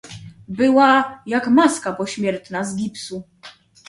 "Była, jak maska pośmiertna z gipsu."